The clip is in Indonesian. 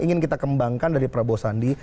ingin kita kembangkan dari prabowo sandi